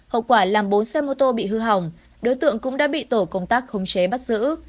hậu quả làm bốn xe mô tô bị hư hỏng đối tượng cũng đã bị tổ công tác khống chế bắt giữ